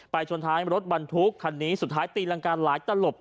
ชนท้ายรถบรรทุกคันนี้สุดท้ายตีรังการหลายตลบ